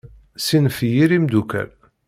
Ssinef i yir imeddukal.